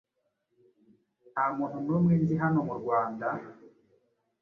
Nta muntu n'umwe nzi hano murwanda